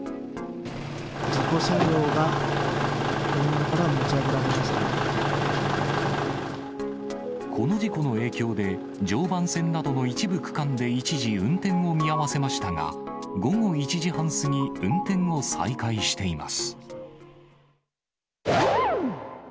事故車両が現場から持ち上げこの事故の影響で、常磐線などの一部区間で一時、運転を見合わせましたが、午後１時半過ぎ、運転を再開しています。